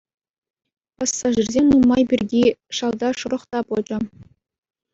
Пассажирсем нумай пирки шалта шӑрӑх та пӑчӑ.